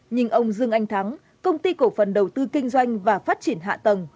nhưng ông dương anh thắng công ty cổ phần đầu tư kinh doanh và phát triển hạ tầng